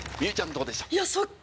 どうでした？